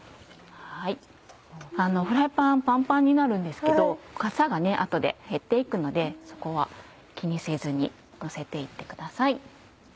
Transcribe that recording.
フライパンパンパンになるんですけどかさが後で減って行くのでそこは気にせずにのせて行ってください。